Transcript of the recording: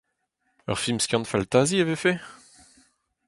Ur film skiant-faltazi e vefe ?